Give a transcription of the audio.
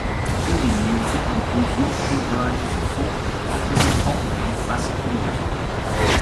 Indian music includes multiple varieties of folk, popular, pop, and classical music.